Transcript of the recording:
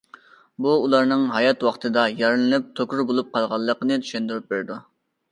بۇ ئۇلارنىڭ ھايات ۋاقتىدا يارىلىنىپ توكۇر بولۇپ قالغانلىقىنى چۈشەندۈرۈپ بېرىدۇ.